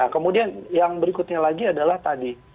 kemudian yang berikutnya lagi adalah tadi